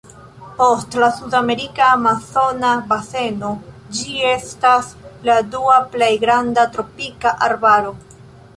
Post la sudamerika amazona baseno ĝi estas la dua plej granda tropika arbaro.